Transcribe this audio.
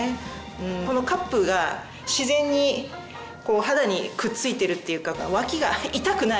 このカップが自然に肌にくっついてるっていうか脇が痛くない。